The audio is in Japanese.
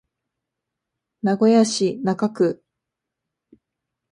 名古屋市中区